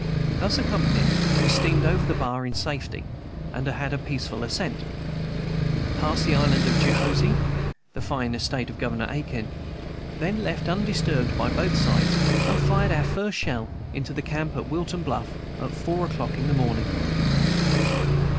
Thus accompanied, we steamed over the bar in safety, had a peaceful ascent, passed the island of Jehossee, the fine estate of Governor Aiken, then left undisturbed by both sides, and fired our first shell into the camp at Wiltown Bluff at four o'clock in the morning.